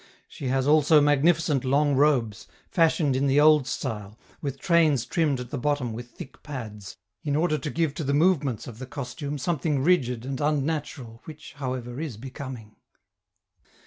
She has also magnificent long robes, fashioned in the old style, with trains trimmed at the bottom with thick pads, in order to give to the movements of the costume something rigid and unnatural which, however, is becoming.